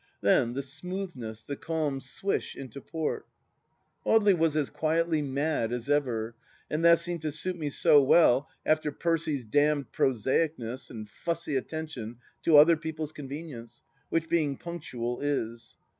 Then the smoothness, the calm swish into port !... Audely was as quietly mad as ever, and that seemed to suit me so well after Percy's damned prosaicness and fussy attention to other people's convenience, which being punctual is.